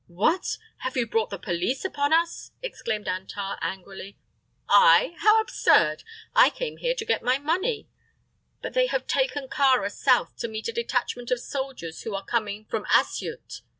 "What! Have you brought the police upon us?" exclaimed Antar, angrily. "I? How absurd! I came here to get my money; but they have taken Kāra south to meet a detachment of soldiers who are coming from Assyut.